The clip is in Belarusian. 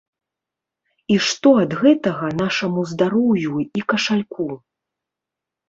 І што ад гэтага нашаму здароўю і кашальку?